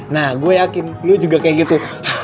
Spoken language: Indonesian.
nah gue yakin lu juga kayak gitu